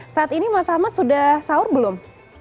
saat ini mas ahmad sudah sahur belum